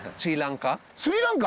スリランカ？